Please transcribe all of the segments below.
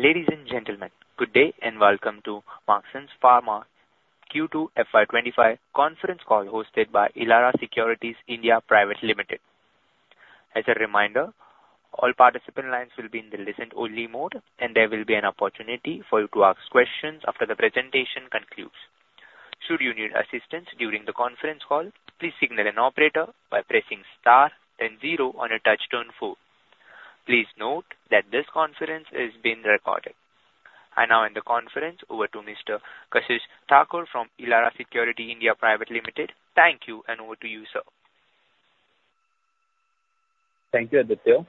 Ladies and gentlemen, good day and welcome to Marksans Pharma Q2 FY25 conference call hosted by Elara Securities (India) Pvt Ltd As a reminder, all participant lines will be in the listen-only mode, and there will be an opportunity for you to ask questions after the presentation concludes. Should you need assistance during the conference call, please signal an operator by pressing * then zero on your touch-tone phone. Please note that this conference is being recorded. I now hand the conference over to Mr. Kashish Thakur from Elara Securities (India) Pvt. Ltd. Thank you, and over to you, sir. Thank you, Aditya.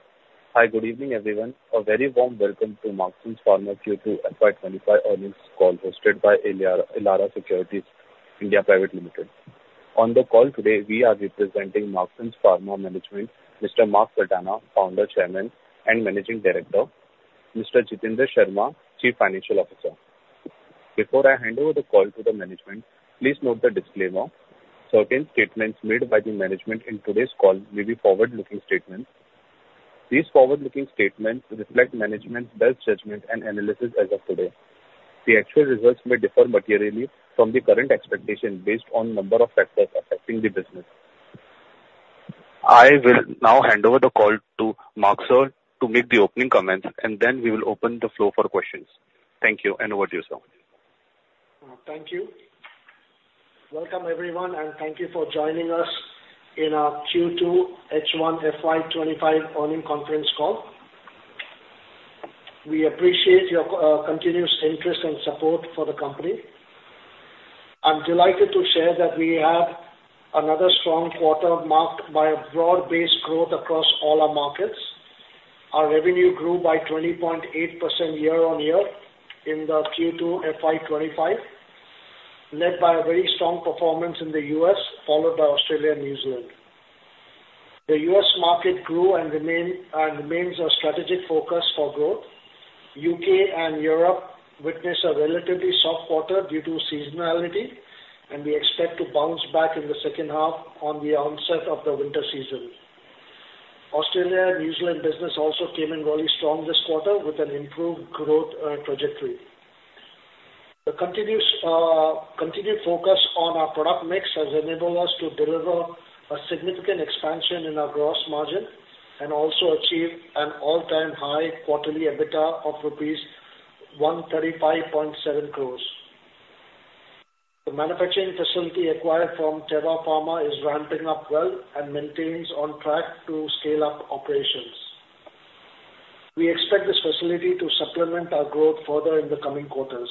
Hi, good evening, everyone. A very warm welcome to Marksans Pharma Q2 FY25 earnings call hosted by Elara Securities (India) Pvt. Ltd. On the call today, we are representing Marksans Pharma Management, Mr. Mark Saldanha, Founder, Chairman, and Managing Director, Mr. Jitendra Sharma, Chief Financial Officer. Before I hand over the call to the management, please note the disclaimer. Certain statements made by the management in today's call may be forward-looking statements. These forward-looking statements reflect management's best judgment and analysis as of today. The actual results may differ materially from the current expectation based on a number of factors affecting the business. I will now hand over the call to Marksans to make the opening comments, and then we will open the floor for questions. Thank you, and over to you, sir. Thank you. Welcome, everyone, and thank you for joining us in our Q2 H1 FY25 earnings conference call. We appreciate your continuous interest and support for the company. I'm delighted to share that we have another strong quarter marked by a broad-based growth across all our markets. Our revenue grew by 20.8% year-on-year in the Q2 FY25, led by a very strong performance in the U.S., followed by Australia and New Zealand. The U.S. market grew and remains a strategic focus for growth. U.K. and Europe witnessed a relatively soft quarter due to seasonality, and we expect to bounce back in the second half on the onset of the winter season. Australia and New Zealand business also came in really strong this quarter with an improved growth trajectory. The continued focus on our product mix has enabled us to deliver a significant expansion in our gross margin and also achieve an all-time high quarterly EBITDA of rupees 135.7 crores. The manufacturing facility acquired from Teva Pharma is ramping up well and maintains on track to scale up operations. We expect this facility to supplement our growth further in the coming quarters.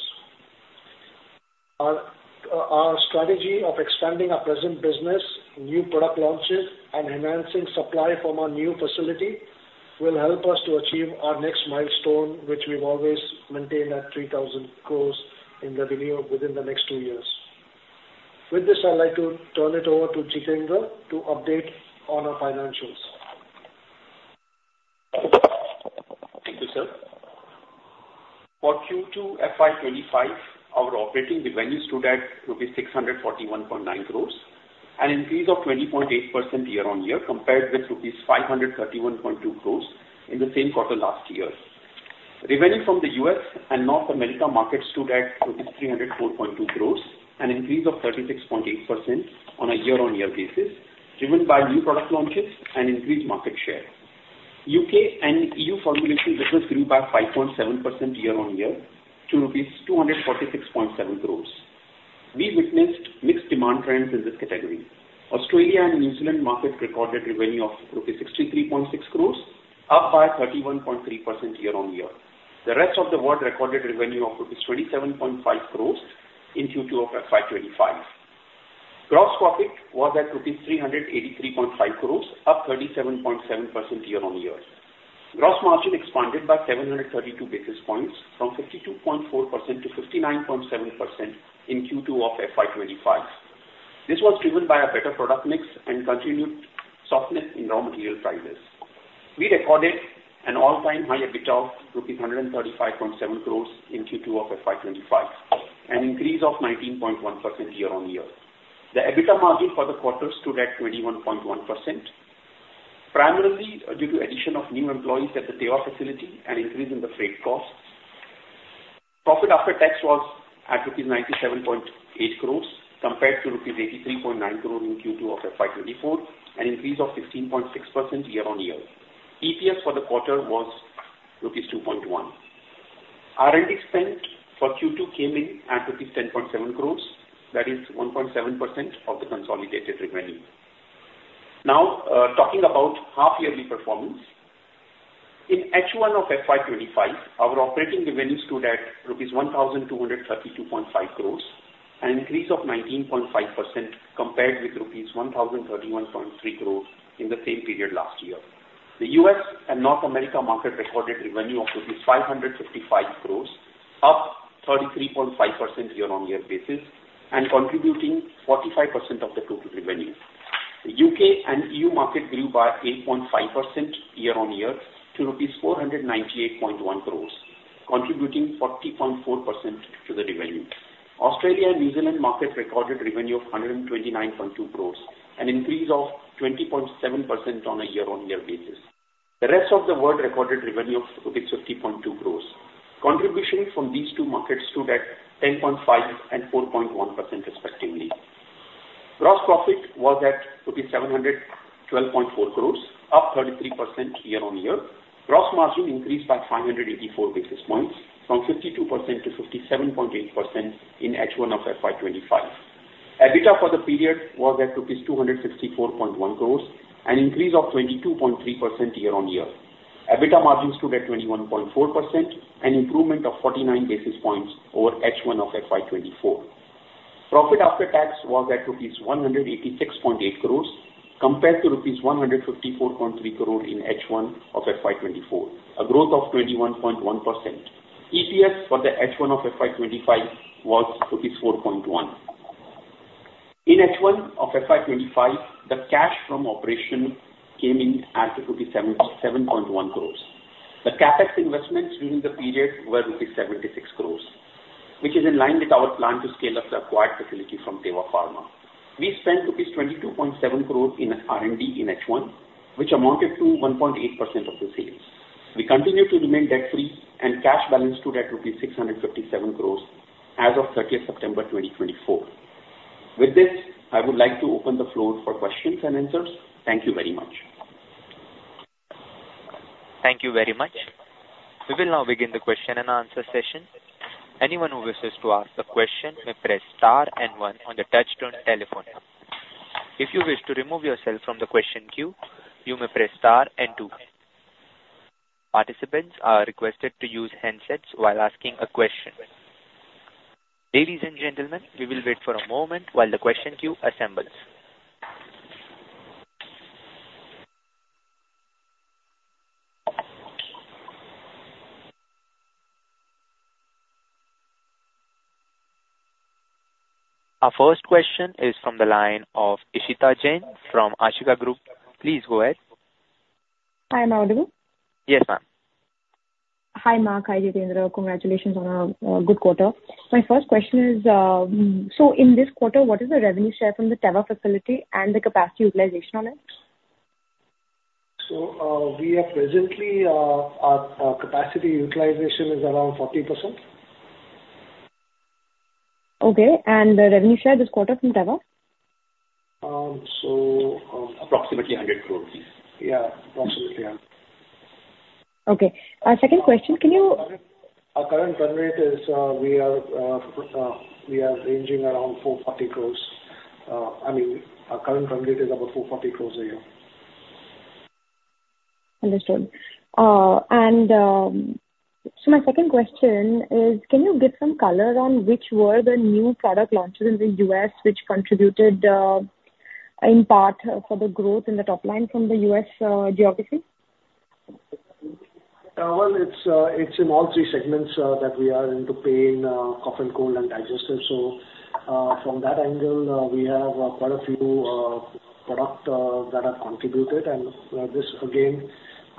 Our strategy of expanding our present business, new product launches, and enhancing supply from our new facility will help us to achieve our next milestone, which we've always maintained at 3,000 crores in revenue within the next two years. With this, I'd like to turn it over to Jitendra to update on our financials. Thank you, sir. For Q2 FY25, our operating revenue stood at rupees 641.9 crores and increased by 20.8% year-on-year compared with rupees 531.2 crores in the same quarter last year. Revenue from the US and North America markets stood at 304.2 crores and increased by 36.8% on a year-on-year basis, driven by new product launches and increased market share. UK and EU formulation business grew by 5.7% year-on-year to rupees 246.7 crores. We witnessed mixed demand trends in this category. Australia and New Zealand markets recorded revenue of 63.6 crores, up by 31.3% year-on-year. The rest of the world recorded revenue of rupees 27.5 crores in Q2 of FY25. Gross profit was at rupees 383.5 crores, up 37.7% year-on-year. Gross margin expanded by 732 basis points from 52.4% to 59.7% in Q2 of FY25. This was driven by a better product mix and continued softness in raw material prices. We recorded an all-time high EBITDA of rupees 135.7 crores in Q2 of FY25, an increase of 19.1% year-on-year. The EBITDA margin for the quarter stood at 21.1%, primarily due to the addition of new employees at the Teva facility and an increase in the freight costs. Profit after tax was at rupees 97.8 crores compared to rupees 83.9 crores in Q2 of FY24, an increase of 15.6% year-on-year. EPS for the quarter was rupees 2.1. R&D spend for Q2 came in at rupees 10.7 crores, that is 1.7% of the consolidated revenue. Now, talking about half-yearly performance, in H1 of FY25, our operating revenue stood at INR 1,232.5 crores, an increase of 19.5% compared with INR 1,031.3 crores in the same period last year. The U.S. and North America markets recorded revenue of INR 555 crores, up 33.5% year-on-year basis, and contributing 45% of the total revenue. The UK and EU markets grew by 8.5% year-on-year to ₹498.1 crores, contributing 40.4% to the revenue. Australia and New Zealand markets recorded revenue of ₹129.2 crores, an increase of 20.7% on a year-on-year basis. The rest of the world recorded revenue of ₹50.2 crores. Contributions from these two markets stood at 10.5% and 4.1%, respectively. Gross profit was at ₹712.4 crores, up 33% year-on-year. Gross margin increased by 584 basis points, from 52% to 57.8% in H1 of FY25. EBITDA for the period was at ₹264.1 crores, an increase of 22.3% year-on-year. EBITDA margin stood at 21.4%, an improvement of 49 basis points over H1 of FY24. Profit after tax was at ₹186.8 crores compared to ₹154.3 crores in H1 of FY24, a growth of 21.1%. EPS for the H1 of FY25 was ₹4.1. In H1 of FY25, the cash from operations came in at ₹77.1 crores. The CapEx investments during the period were rupees 76 crores, which is in line with our plan to scale up the acquired facility from Teva Pharma. We spent rupees 22.7 crores in R&D in H1, which amounted to 1.8% of the sales. We continued to remain debt-free, and cash balance stood at rupees 657 crores as of 30 September 2024. With this, I would like to open the floor for questions and answers. Thank you very much. Thank you very much. We will now begin the question and answer session. Anyone who wishes to ask a question may press * and 1 on the touch-tone telephone. If you wish to remove yourself from the question queue, you may press * and 2. Participants are requested to use handsets while asking a question. Ladies and gentlemen, we will wait for a moment while the question queue assembles. Our first question is from the line of Ishita Jain from Ashika Group. Please go ahead. Hi, Mark. Yes, ma'am. Hi, Mark. Hi, Jitendra. Congratulations on a good quarter. My first question is, so in this quarter, what is the revenue share from the Teva facility and the capacity utilization on it? We are presently. Our capacity utilization is around 40%. Okay, and the revenue share this quarter from Teva? So approximately 100 crores. Yeah, approximately. Okay. Our second question, can you? Our current run rate is we are ranging around 440 crores. I mean, our current run rate is about 440 crores a year. Understood. And so my second question is, can you give some color on which were the new product launches in the U.S. which contributed in part for the growth in the top line from the U.S. geography? It's in all three segments that we are into: Pain, Cough and Cold, and Digestive. From that angle, we have quite a few products that have contributed. This, again,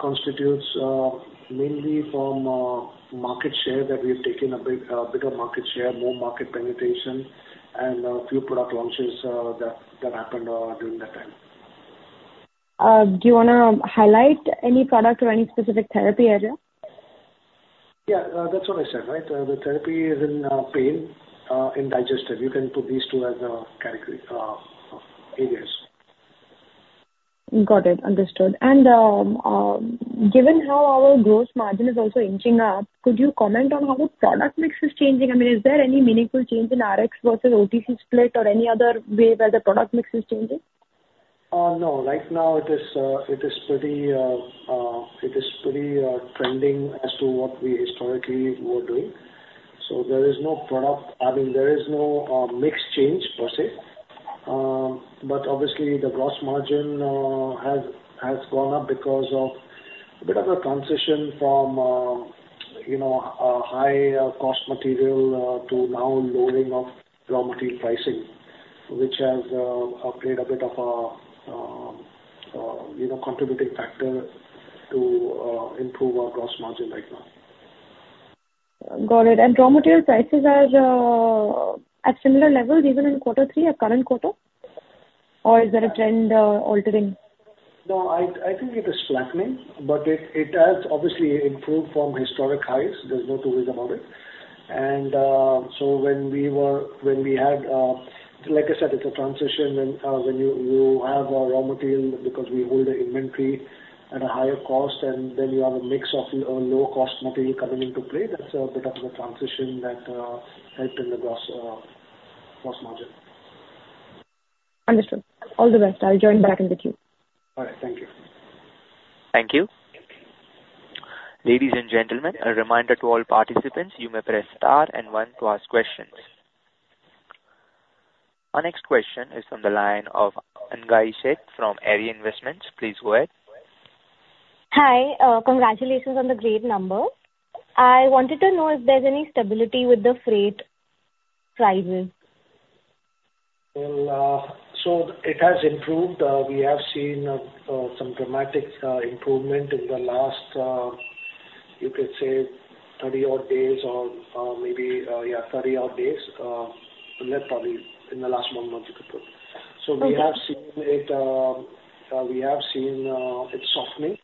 constitutes mainly from market share that we have taken a bit of market share, more market penetration, and a few product launches that happened during that time. Do you want to highlight any product or any specific therapy area? Yeah, that's what I said, right? The therapy is in pain and digestive. You can put these two as category areas. Got it. Understood. And given how our gross margin is also inching up, could you comment on how the product mix is changing? I mean, is there any meaningful change in Rx versus OTC split or any other way where the product mix is changing? No. Right now, it is pretty trending as to what we historically were doing. So there is no product—I mean, there is no mix change per se. But obviously, the gross margin has gone up because of a bit of a transition from high-cost material to now lowering of raw material pricing, which has played a bit of a contributing factor to improve our gross margin right now. Got it. And raw material prices are at similar levels even in quarter three, the current quarter? Or is there a trend altering? No, I think it is flattening, but it has obviously improved from historic highs. There's no two ways about it. And so when we had, like I said, it's a transition when you have raw material because we hold the inventory at a higher cost, and then you have a mix of low-cost material coming into play. That's a bit of a transition that helped in the gross margin. Understood. All the best. I'll join back in the queue. All right. Thank you. Thank you. Ladies and gentlemen, a reminder to all participants, you may press * and 1 to ask questions. Our next question is from the line of Miraj Shah from Arihant Capital Markets. Please go ahead. Hi. Congratulations on the great numbers. I wanted to know if there's any stability with the freight prices? Well, so it has improved. We have seen some dramatic improvement in the last, you could say, 30-odd days or maybe, yeah, 30-odd days. That's probably in the last one month you could put. So we have seen it, we have seen it softening,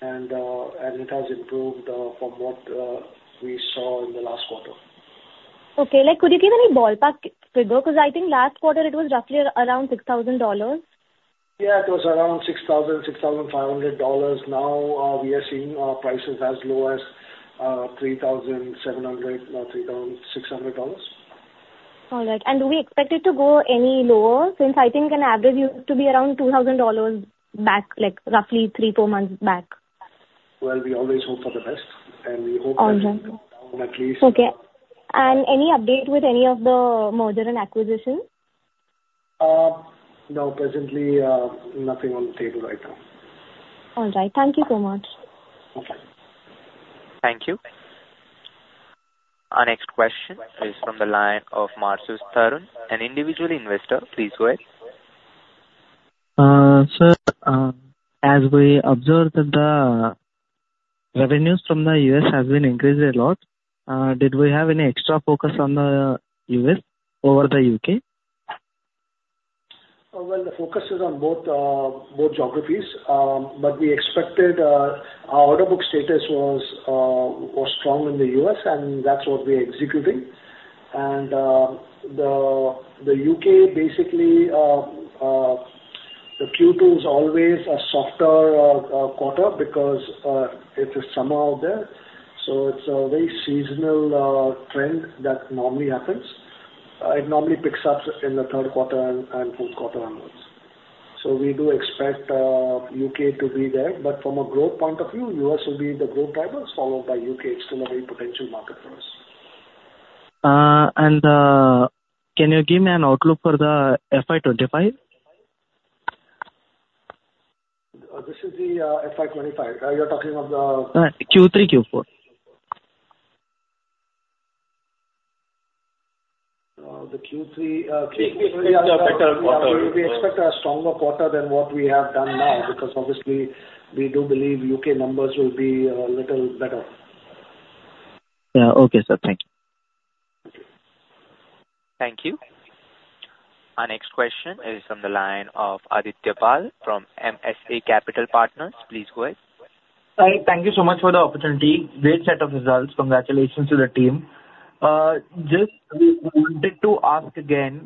and it has improved from what we saw in the last quarter. Okay. Could you give any ballpark figure? Because I think last quarter it was roughly around $6,000. Yeah, it was around $6,000, $6,500. Now we are seeing prices as low as $3,700, $3,600. All right, and do we expect it to go any lower since I think an average used to be around $2,000 back, roughly three, four months back? We always hope for the best, and we hope that it goes down at least. Okay. And any update with any of the mergers and acquisitions? No. Presently, nothing on the table right now. All right. Thank you so much. Okay. Thank you. Our next question is from the line of Marcus Tarun, an individual investor. Please go ahead. Sir, as we observed that the revenues from the U.S. have been increased a lot, did we have any extra focus on the U.S. over the U.K.? The focus is on both geographies, but we expected our order book status was strong in the U.S., and that's what we are executing, and the U.K., basically, the Q2 is always a softer quarter because it's a summer out there, so it's a very seasonal trend that normally happens. It normally picks up in the third quarter and fourth quarter and months, so we do expect the U.K. to be there, but from a growth point of view, the U.S. will be the growth drivers, followed by the U.K. It's still a very potential market for us. Can you give me an outlook for the FY25? This is the FY25. You're talking of the? Q3, Q4. The Q3, Q4, we expect a stronger quarter than what we have done now because obviously, we do believe UK numbers will be a little better. Yeah. Okay, sir. Thank you. Thank you. Our next question is from the line of Aditya Pal from MSA Capital Partners. Please go ahead. Hi. Thank you so much for the opportunity. Great set of results. Congratulations to the team. Just wanted to ask again,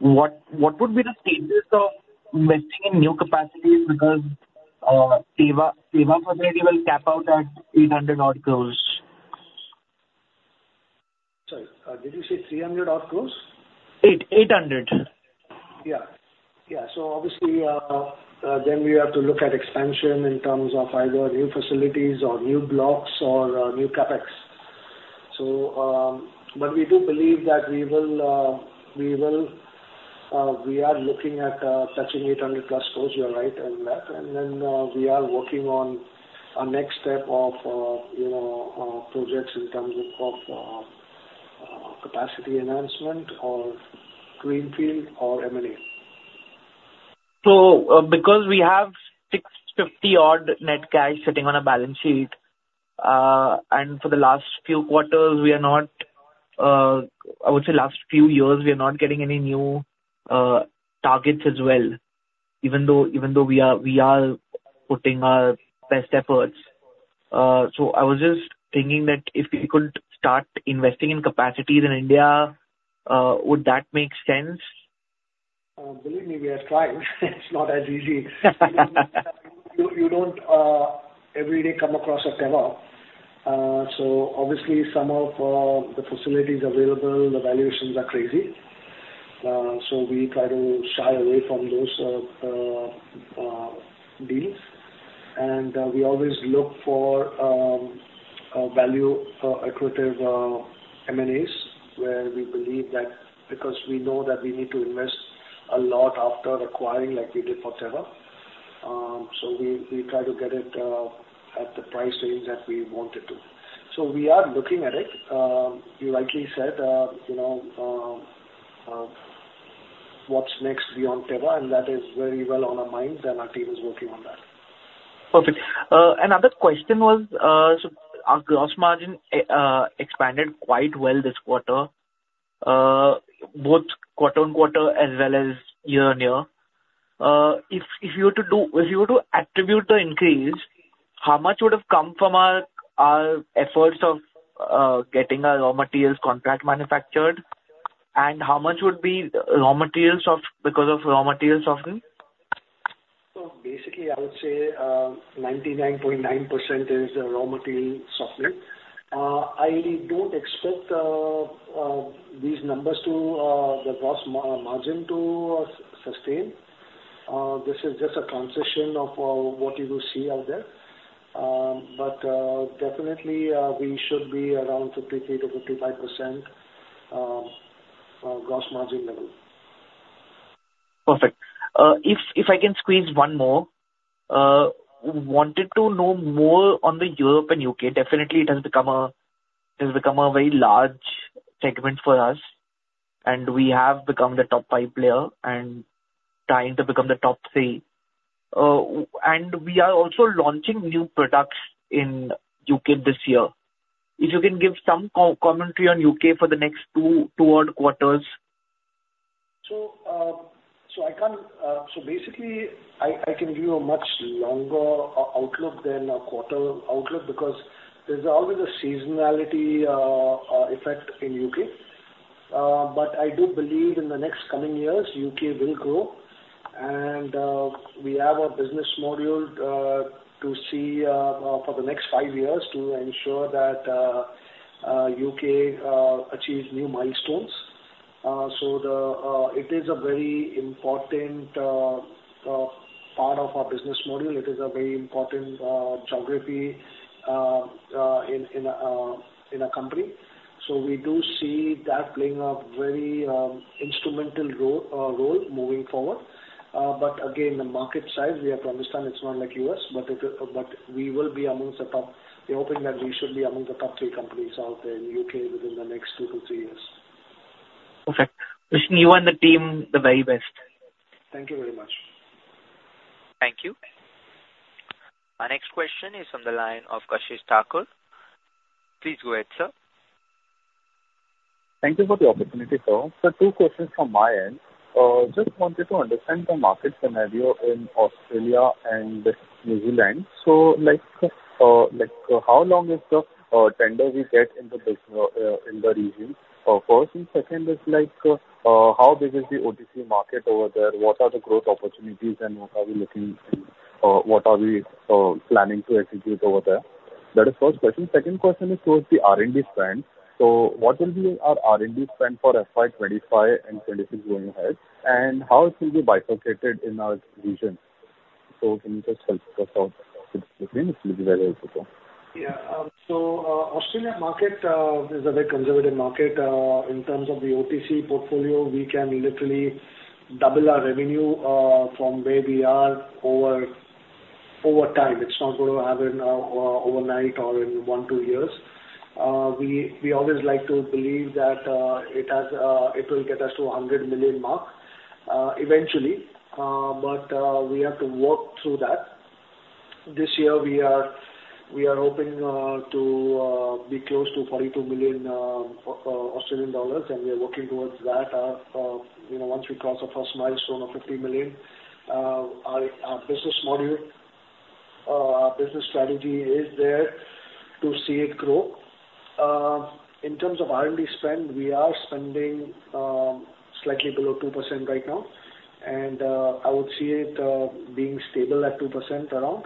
what would be the stages of investing in new capacity because Teva facility will cap out at 800-odd crores? Sorry. Did you say 300-odd crores? 800. Yeah. Yeah. So obviously, then we have to look at expansion in terms of either new facilities or new blocks or new CapEx. But we do believe that we are looking at touching 800-plus crores. You're right in that. And then we are working on our next step of projects in terms of capacity enhancement or greenfield or M&A. So because we have 650-odd net cash sitting on a balance sheet, and for the last few quarters, we are not, I would say last few years, we are not getting any new targets as well, even though we are putting our best efforts. So I was just thinking that if we could start investing in capacity in India, would that make sense? Believe me, we are trying. It's not as easy. You don't every day come across a Teva. So obviously, some of the facilities available, the valuations are crazy. So we try to shy away from those deals. And we always look for value-accretive M&As where we believe that because we know that we need to invest a lot after acquiring like we did for Teva. So we try to get it at the price range that we want it to. So we are looking at it. You rightly said, what's next beyond Teva? And that is very well on our minds, and our team is working on that. Perfect. Another question was, our gross margin expanded quite well this quarter, both quarter on quarter as well as year on year. If you were to attribute the increase, how much would have come from our efforts of getting our raw materials contract manufactured? And how much would be raw materials because of raw materials softening? So basically, I would say 99.9% is raw material softening. I don't expect these numbers to, the gross margin to sustain. This is just a transition of what you will see out there. But definitely, we should be around 53%-55% gross margin level. Perfect. If I can squeeze one more, wanted to know more on the Europe and UK. Definitely, it has become a very large segment for us, and we have become the top five player and trying to become the top three, and we are also launching new products in UK this year. If you can give some commentary on UK for the next two-odd quarters. I can give you a much longer outlook than a quarter outlook because there's always a seasonality effect in U.K. But I do believe in the next coming years, U.K. will grow. And we have a business model to see for the next five years to ensure that U.K. achieves new milestones. So it is a very important part of our business model. It is a very important geography in a country. So we do see that playing a very instrumental role moving forward. But again, the market size, we have to understand it's not like U.S., but we will be amongst the top. We're hoping that we should be among the top three companies out there in U.K. within the next two to three years. Perfect. Wishing you and the team the very best. Thank you very much. Thank you. Our next question is from the line of Kashish Thakur. Please go ahead, sir. Thank you for the opportunity, sir. So two questions from my end. Just wanted to understand the market scenario in Australia and New Zealand. So how long is the tender we get in the region? First and second is how big is the OTC market over there? What are the growth opportunities, and what are we looking - what are we planning to execute over there? That is the first question. Second question is towards the R&D spend. So what will be our R&D spend for FY25 and 26 going ahead? And how it will be bifurcated in our region? So can you just help us out with this? It will be very helpful. Yeah. So Australia market is a very conservative market. In terms of the OTC portfolio, we can literally double our revenue from where we are over time. It's not going to happen overnight or in one or two years. We always like to believe that it will get us to 100 million mark eventually, but we have to work through that. This year, we are hoping to be close to 42 million Australian dollars, and we are working towards that. Once we cross the first milestone of 50 million, our business model, our business strategy is there to see it grow. In terms of R&D spend, we are spending slightly below 2% right now, and I would see it being stable at 2% around.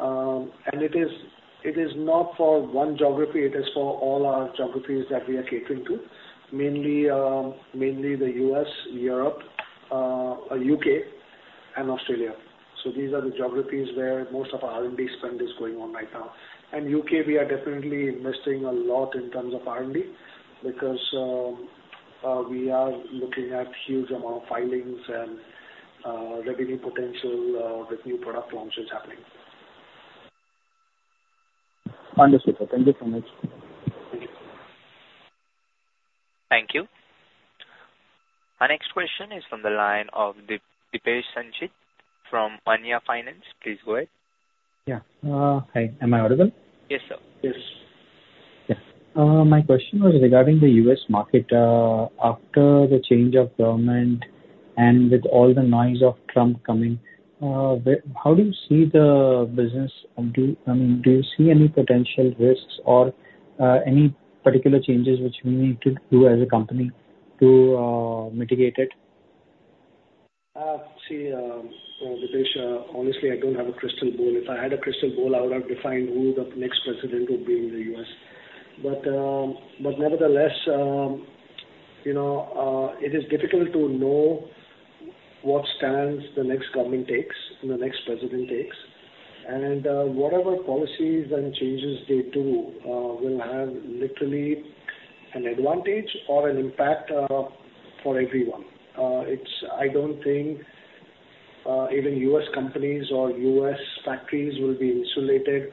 And it is not for one geography. It is for all our geographies that we are catering to, mainly the U.S., Europe, U.K., and Australia. So these are the geographies where most of our R&D spend is going on right now. And the U.K., we are definitely investing a lot in terms of R&D because we are looking at a huge amount of filings and revenue potential with new product launches happening. Understood, sir. Thank you so much. Thank you. Thank you. Our next question is from the line of Dipesh Sancheti from Maanya Finance. Please go ahead. Yeah. Hi. Am I audible? Yes, sir. Yes. My question was regarding the U.S. market. After the change of government and with all the noise of Trump coming, how do you see the business? I mean, do you see any potential risks or any particular changes which we need to do as a company to mitigate it? See, Dipesh, honestly, I don't have a crystal ball. If I had a crystal ball, I would have defined who the next president would be in the U.S., but nevertheless, it is difficult to know what stance the next government takes, the next president takes, and whatever policies and changes they do will have literally an advantage or an impact for everyone. I don't think even U.S. companies or U.S. factories will be insulated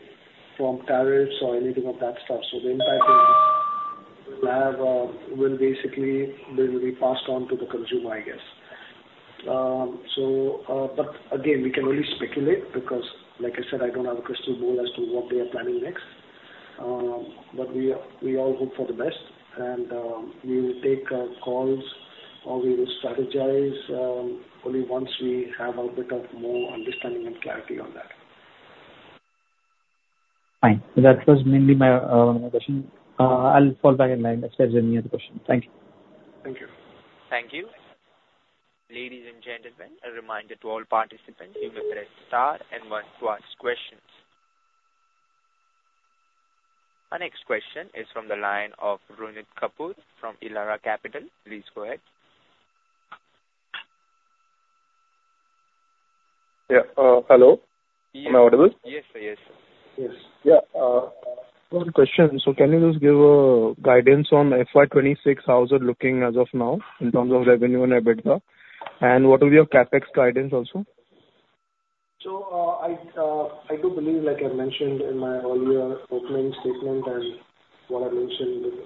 from tariffs or anything of that stuff, so the impact will basically be passed on to the consumer, I guess. But again, we can only speculate because, like I said, I don't have a crystal ball as to what they are planning next, but we all hope for the best, and we will take calls or we will strategize only once we have a bit of more understanding and clarity on that. Fine. That was mainly my question. I'll fall back in line next time with any other questions. Thank you. Thank you. Thank you. Ladies and gentlemen, a reminder to all participants you may press star and one to ask questions. Our next question is from the line of Raghav Kapoor from Elara Capital. Please go ahead. Yeah. Hello? Am I audible? Yes, sir. Yes, sir. Yes. Yeah. One question. So can you just give guidance on FY26, how's it looking as of now in terms of revenue and EBITDA? And what will be your CapEx guidance also? So I do believe, like I mentioned in my earlier opening statement and what I mentioned in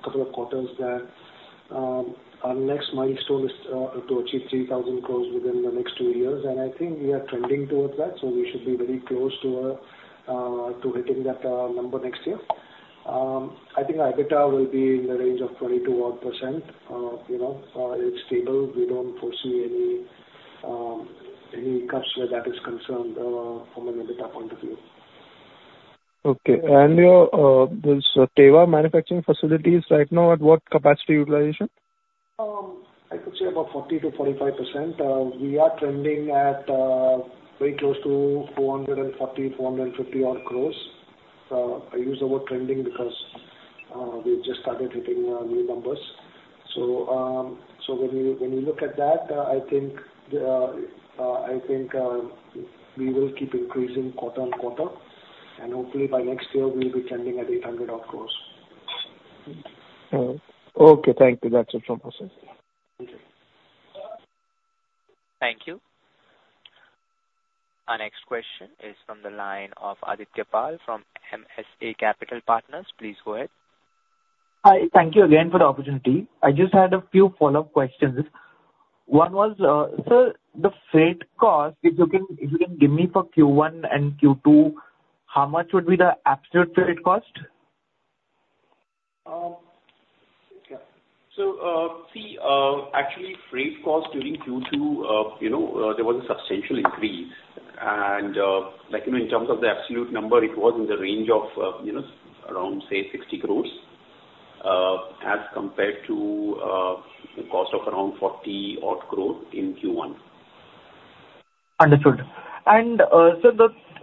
a couple of quarters, that our next milestone is to achieve 3,000 crores within the next two years. And I think we are trending towards that. So we should be very close to hitting that number next year. I think our EBITDA will be in the range of 22-odd%. It's stable. We don't foresee any cuts where that is concerned from an EBITDA point of view. Okay. And this Teva manufacturing facilities right now, at what capacity utilization? I could say about 40%-45%. We are trending at very close to 440-450-odd crores. I use the word trending because we just started hitting new numbers, so when you look at that, I think we will keep increasing quarter on quarter, and hopefully, by next year, we'll be trending at 800-odd crores. Okay. Thank you. That's it from my side. Thank you. Thank you. Our next question is from the line of Aditya Pal from MSA Capital Partners. Please go ahead. Hi. Thank you again for the opportunity. I just had a few follow-up questions. One was, sir, the freight cost, if you can give me for Q1 and Q2, how much would be the absolute freight cost? Yeah. So see, actually, freight cost during Q2, there was a substantial increase and in terms of the absolute number, it was in the range of around, say, 60 crores as compared to the cost of around 40-odd crore in Q1. Understood. And sir,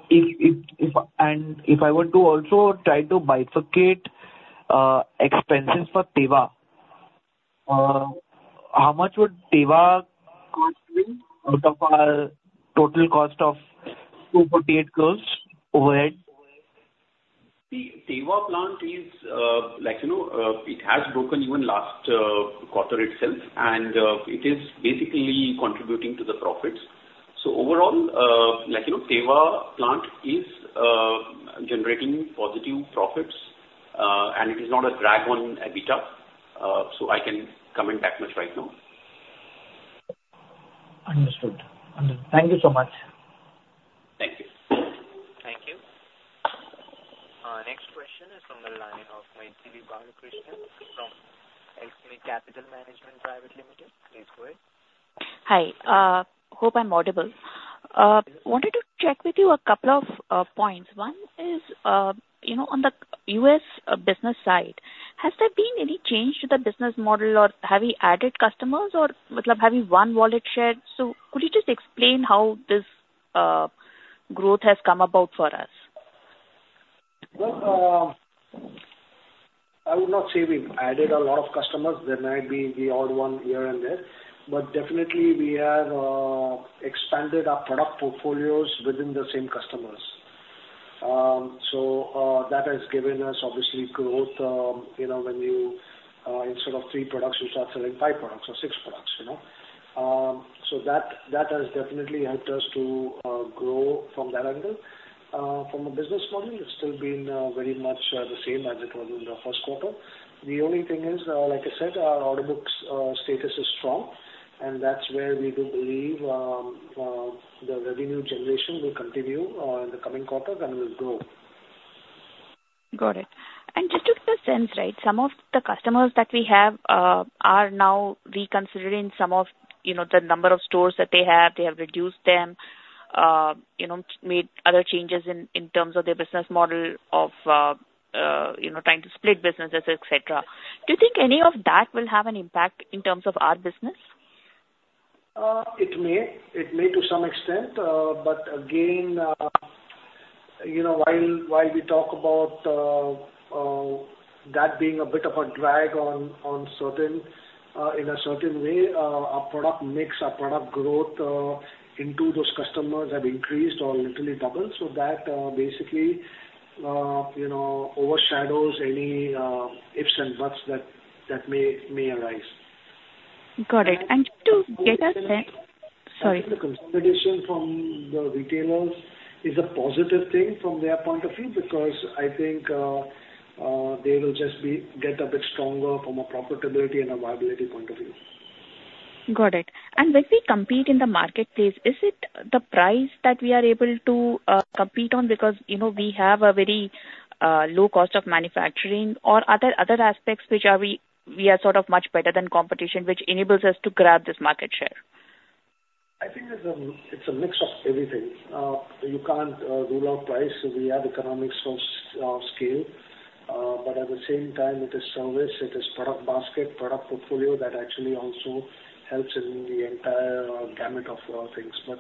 if I were to also try to bifurcate expenses for Teva, how much would Teva cost me out of our total cost of 248 crores overhead? See, Teva plant is, it has broken even last quarter itself, and it is basically contributing to the profits. So overall, Teva plant is generating positive profits, and it is not a drag on EBITDA. So I can't comment that much right now. Understood. Thank you so much. Thank you. Thank you. Our next question is from the line of Mythili Balakrishnan from Alchemy Capital Management Private Limited. Please go ahead. Hi. Hope I'm audible. Wanted to check with you a couple of points. One is on the U.S. business side, has there been any change to the business model, or have we added customers, or have we won wallet share? So could you just explain how this growth has come about for us? I would not say we've added a lot of customers. There might be the odd one here and there. But definitely, we have expanded our product portfolios within the same customers. So that has given us, obviously, growth. When you, instead of three products, you start selling five products or six products. So that has definitely helped us to grow from that angle. From a business model, it's still been very much the same as it was in the first quarter. The only thing is, like I said, our order book status is strong, and that's where we do believe the revenue generation will continue in the coming quarter and will grow. Got it. And just to get a sense, right, some of the customers that we have are now reconsidering some of the number of stores that they have. They have reduced them, made other changes in terms of their business model of trying to split businesses, etc. Do you think any of that will have an impact in terms of our business? It may. It may to some extent. But again, while we talk about that being a bit of a drag in a certain way, our product mix, our product growth into those customers have increased or literally doubled. So that basically overshadows any ifs and buts that may arise. Got it. And just to get a sense, sorry. The consideration from the retailers is a positive thing from their point of view because I think they will just get a bit stronger from a profitability and a viability point of view. Got it. And when we compete in the marketplace, is it the price that we are able to compete on because we have a very low cost of manufacturing, or are there other aspects which we are sort of much better than competition, which enables us to grab this market share? I think it's a mix of everything. You can't rule out price. We have economies of scale. But at the same time, it is service. It is product basket, product portfolio that actually also helps in the entire gamut of things. But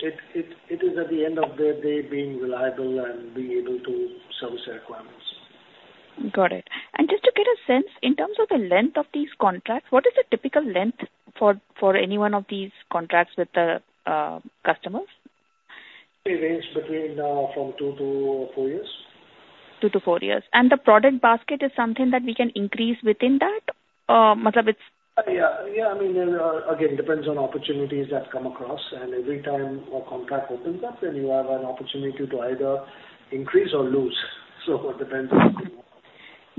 it is, at the end of the day, being reliable and being able to service our clients. Got it. And just to get a sense, in terms of the length of these contracts, what is the typical length for any one of these contracts with the customers? It ranges between two to four years. Two to four years, and the product basket is something that we can increase within that? I mean, it's... Yeah. Yeah. I mean, again, it depends on opportunities that come across. And every time a contract opens up, then you have an opportunity to either increase or lose. So it depends on the-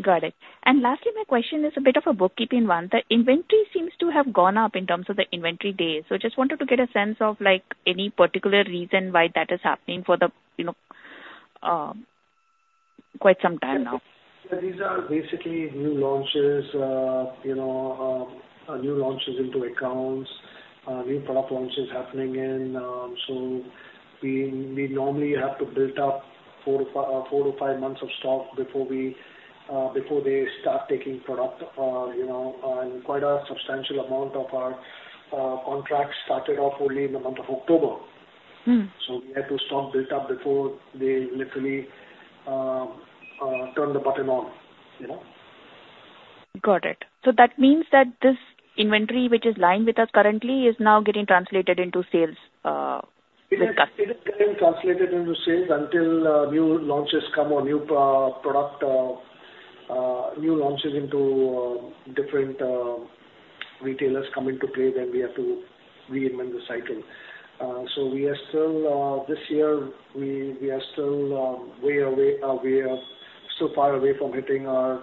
Got it. And lastly, my question is a bit of a bookkeeping one. The inventory seems to have gone up in terms of the inventory days. So I just wanted to get a sense of any particular reason why that is happening for quite some time now. Yeah. These are basically new launches, new launches into accounts, new product launches happening. And so we normally have to build up four to five months of stock before they start taking product. And quite a substantial amount of our contracts started off only in the month of October. So we had to stock build up before they literally turned the button on. Got it. So that means that this inventory, which is lying with us currently, is now getting translated into sales? It is getting translated into sales until new launches come or new product new launches into different retailers come into play. Then we have to reinvent the cycle. So this year, we are still so far away from hitting our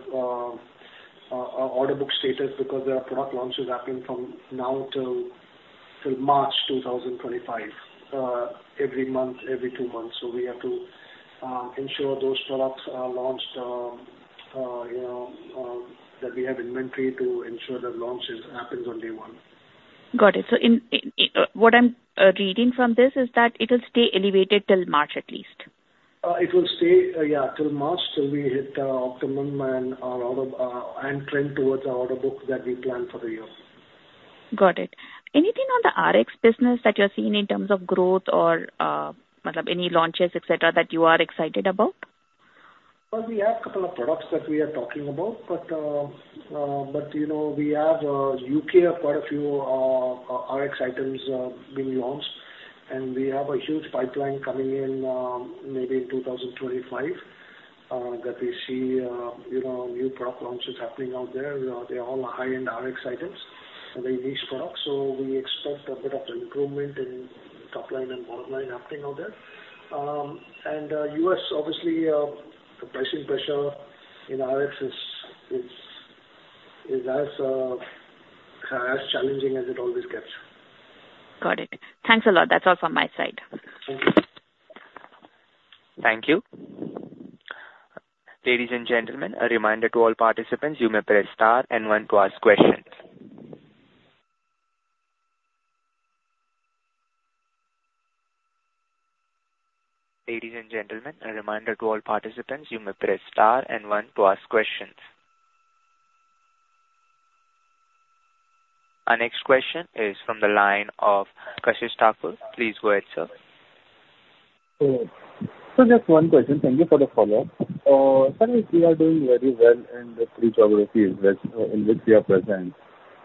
order book status because there are product launches happening from now till March 2025, every month, every two months. So we have to ensure those products are launched, that we have inventory to ensure the launches happen on day one. Got it. So what I'm reading from this is that it will stay elevated till March at least. It will stay, yeah, till March till we hit optimum and trend towards our order book that we plan for the year. Got it. Anything on the RX business that you're seeing in terms of growth or any launches, etc., that you are excited about? We have a couple of products that we are talking about, but we have U.K., quite a few Rx items being launched, and we have a huge pipeline coming in maybe in 2025 that we see new product launches happening out there. They're all high-end Rx items, very niche products, so we expect a bit of improvement in top line and bottom line happening out there, and U.S., obviously, the pricing pressure in Rx is as challenging as it always gets. Got it. Thanks a lot. That's all from my side. Thank you. Thank you. Ladies and gentlemen, a reminder to all participants, you may press star and one to ask questions. Our next question is from the line of Kashish Thakur. Please go ahead, sir. So just one question. Thank you for the follow-up. Sir, we are doing very well in the three geographies in which we are present.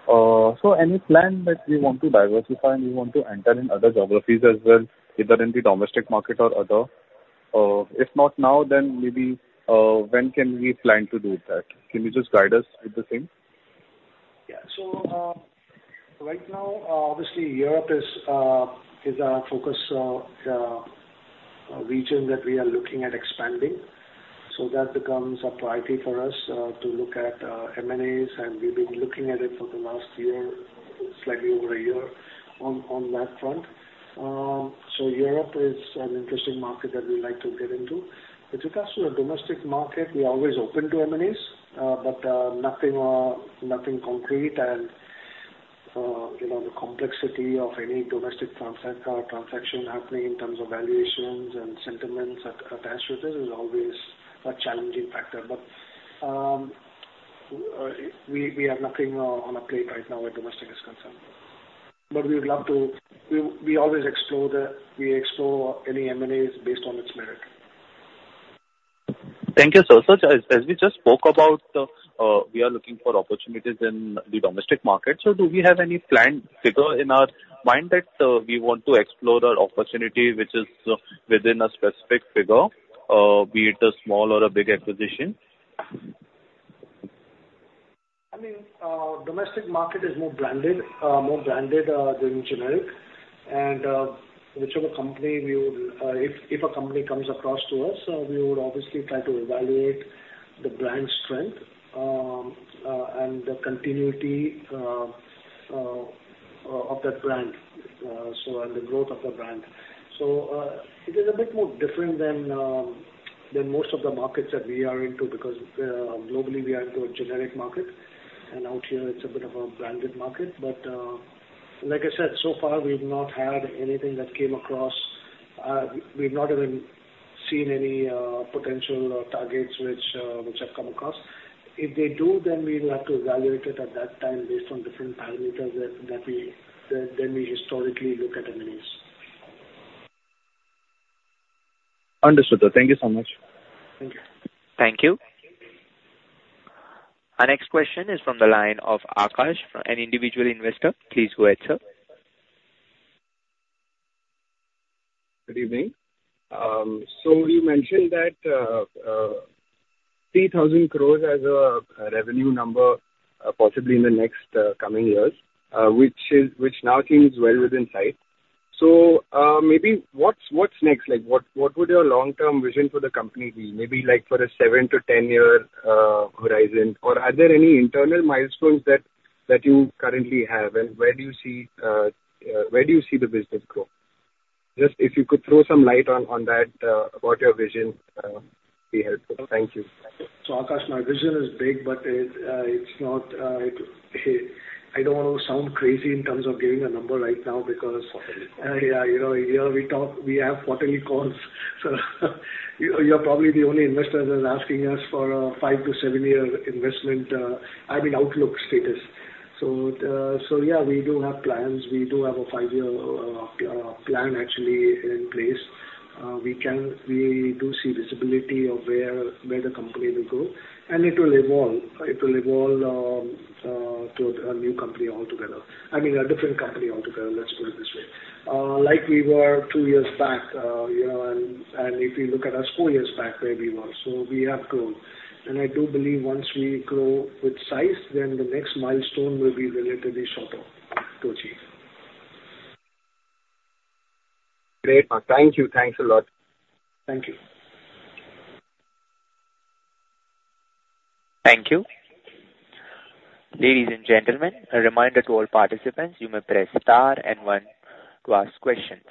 So any plan that we want to diversify and we want to enter in other geographies as well, either in the domestic market or other? If not now, then maybe when can we plan to do that? Can you just guide us with the thing? Yeah. So right now, obviously, Europe is our focus region that we are looking at expanding. So that becomes a priority for us to look at M&As. And we've been looking at it for the last year, slightly over a year on that front. So Europe is an interesting market that we'd like to get into. With regards to the domestic market, we are always open to M&As, but nothing concrete. And the complexity of any domestic transaction happening in terms of valuations and sentiments attached to this is always a challenging factor. But we have nothing on our plate right now when domestic is concerned. But we would love to. We always explore any M&As based on its merit. Thank you so much. As we just spoke about, we are looking for opportunities in the domestic market. So do we have any planned figure in our mind that we want to explore our opportunity, which is within a specific figure, be it a small or a big acquisition? I mean, domestic market is more branded than generic. And a company comes across to us, we would obviously try to evaluate the brand strength and the continuity of that brand and the growth of the brand. So it is a bit more different than most of the markets that we are into because globally, we are into a generic market. And out here, it's a bit of a branded market. But like I said, so far, we've not had anything that came across. We've not even seen any potential targets which have come across. If they do, then we'll have to evaluate it at that time based on different parameters than we historically look at M&As. Understood. Thank you so much. Thank you. Thank you. Our next question is from the line of Akash, an individual investor. Please go ahead, sir. Good evening. So you mentioned that 3,000 crores as a revenue number possibly in the next coming years, which now seems well within sight. So maybe what's next? What would your long-term vision for the company be? Maybe for a seven to 10-year horizon. Or are there any internal milestones that you currently have? And where do you see the business grow? Just if you could throw some light on that, what your vision would be helpful. Thank you. So, Akash, my vision is big, but it's not, I don't want to sound crazy in terms of giving a number right now because, yeah, we have quarterly calls, so you're probably the only investor that's asking us for a five- to seven-year investment. I mean, outlook status. So, yeah, we do have plans. We do have a five-year plan actually in place. We do see visibility of where the company will go, and it will evolve. It will evolve to a new company altogether. I mean, a different company altogether, let's put it this way. Like we were two years back, and if you look at us four years back, where we were, so we have grown, and I do believe once we grow with size, then the next milestone will be relatively shorter to achieve. Great. Thank you. Thanks a lot. Thank you. Thank you. Ladies and gentlemen, a reminder to all participants, you may press star and one to ask questions.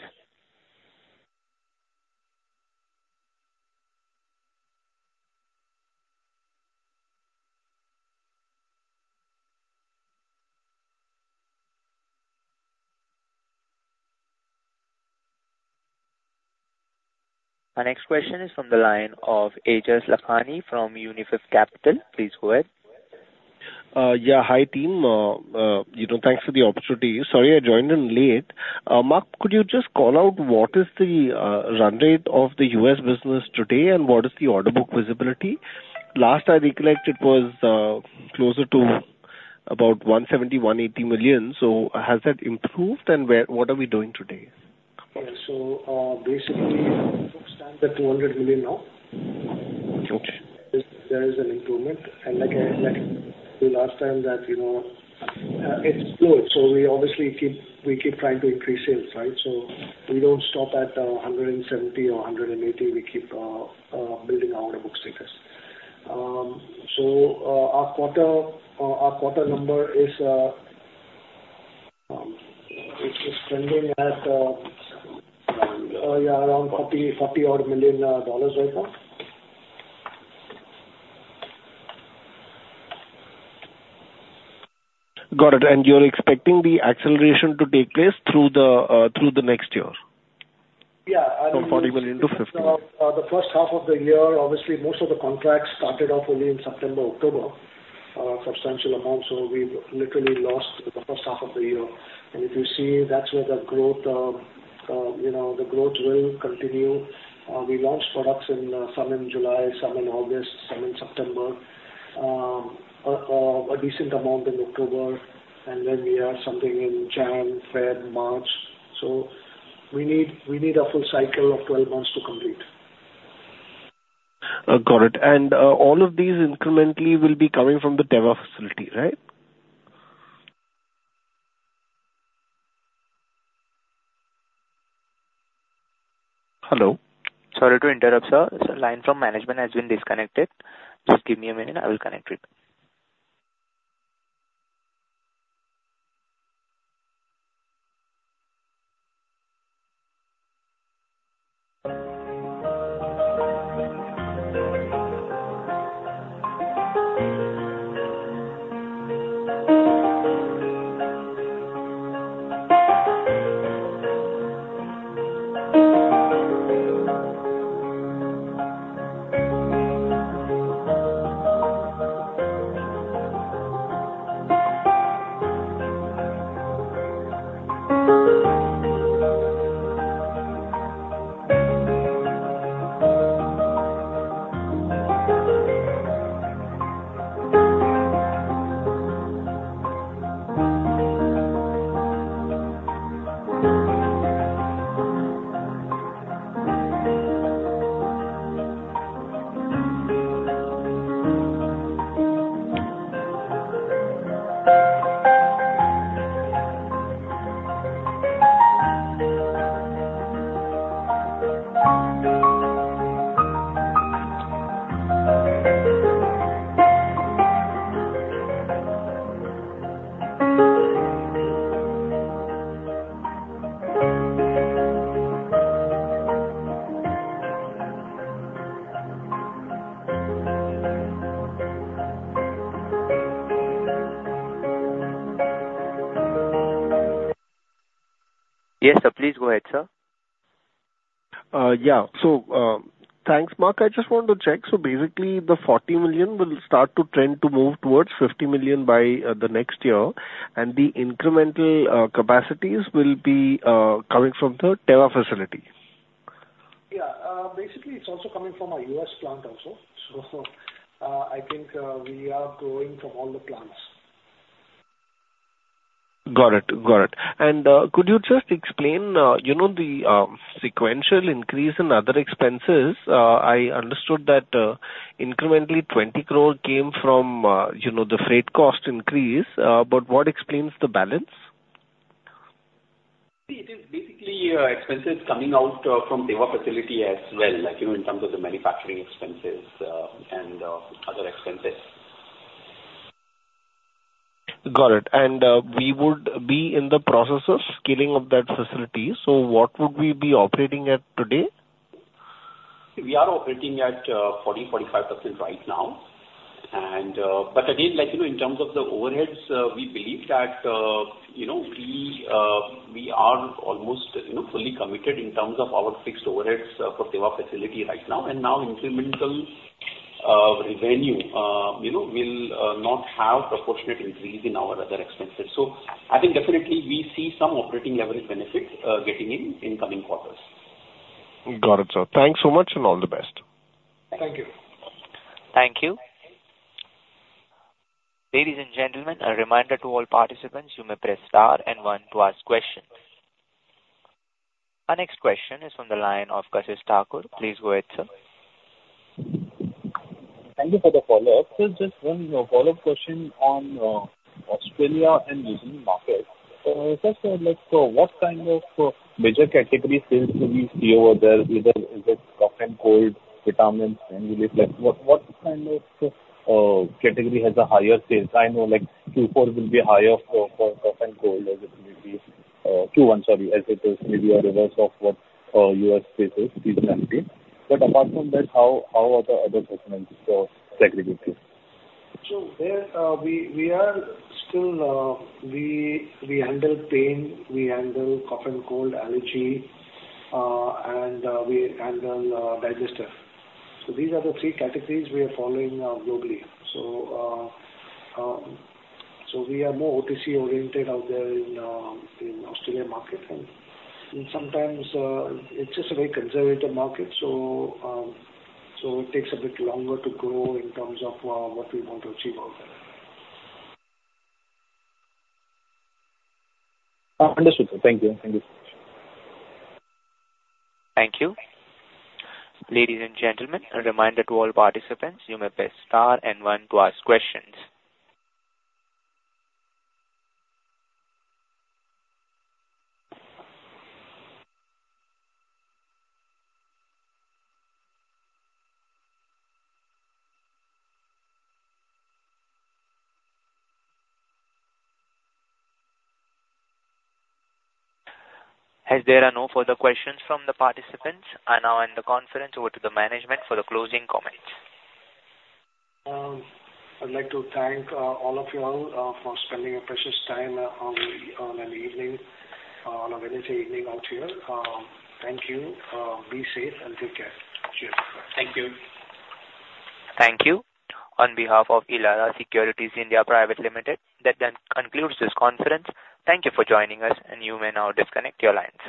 Our next question is from the line of Aejas Lakhani from Unifi Capital. Please go ahead. Yeah. Hi team. Thanks for the opportunity. Sorry I joined in late. Mark, could you just call out what is the run rate of the U.S. business today and what is the order book visibility? Last time we collected, it was closer to about $170-$180 million. So has that improved? And what are we doing today? Okay. So basically, we're standing at $200 million now. There is an improvement, and like I said last time, that it's slow, so we obviously keep trying to increase sales, right, so we don't stop at $170 or $180. We keep building our order book status, so our quarter number is trending at, yeah, around $40-odd million right now. Got it. And you're expecting the acceleration to take place through the next year? Yeah. From 40 million to 50? The first half of the year, obviously, most of the contracts started off only in September, October, substantial amounts. So we literally lost the first half of the year. And if you see, that's where the growth will continue. We launched products in some in July, some in August, some in September, a decent amount in October. And then we had something in January, February, March. So we need a full cycle of 12 months to complete. Got it. And all of these incrementally will be coming from the Teva facility, right? Hello? Sorry to interrupt, sir. The line from management has been disconnected. Just give me a minute. I will connect you. Yes, sir. Please go ahead, sir. Yeah. So thanks, Mark. I just wanted to check. So basically, the 40 million will start to trend to move towards 50 million by the next year. And the incremental capacities will be coming from the Teva facility. Yeah. Basically, it's also coming from our U.S. plant also. So I think we are growing from all the plants. Got it. Got it. And could you just explain the sequential increase in other expenses? I understood that incrementally 20 crore came from the freight cost increase. But what explains the balance? It is basically expenses coming out from Teva facility as well, in terms of the manufacturing expenses and other expenses. Got it. And we would be in the process of scaling up that facility. So what would we be operating at today? We are operating at 40%-45% right now. But again, in terms of the overheads, we believe that we are almost fully committed in terms of our fixed overheads for Teva facility right now. And now incremental revenue will not have proportionate increase in our other expenses. So I think definitely we see some operating leverage benefit getting in coming quarters. Got it, sir. Thanks so much and all the best. Thank you. Thank you. Ladies and gentlemen, a reminder to all participants, you may press star and one to ask questions. Our next question is from the line of Kashish Thakur. Please go ahead, sir. Thank you for the follow-up. Just one follow-up question on Australia and regional markets. As I said, what kind of major category sales do we see over there? Either is it cough and cold, vitamins, and what kind of category has a higher sales? I know Q4 will be higher for cough and cold as it will be Q1, sorry, as it is maybe a reverse of what U.S. sales is currently. But apart from that, how are the other segregated? So we still handle pain, we handle cough and cold allergy, and we handle digestive. So these are the three categories we are following globally. So we are more OTC-oriented out there in the Australia market. And sometimes it's just a very conservative market. So it takes a bit longer to grow in terms of what we want to achieve out there. Understood. Thank you. Thank you so much. Thank you. Ladies and gentlemen, a reminder to all participants, you may press star and one to ask questions. As there are no further questions from the participants, I now hand the conference over to the management for the closing comments. I'd like to thank all of you all for spending a precious time on an evening, on a Wednesday evening out here. Thank you. Be safe and take care. Cheers. Thank you. Thank you. On behalf of Elara Securities (India) Pvt. Ltd., that then concludes this conference. Thank you for joining us, and you may now disconnect your lines.